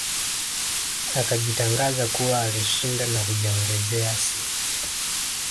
Akajitangaza kuwa alishinda na kujiongezea sifa